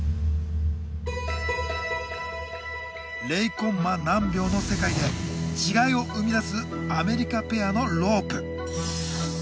０コンマ何秒の世界で違いを生み出すアメリカペアのロープ。